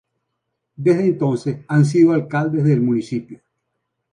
Desde entonces han sido alcaldes del municipio.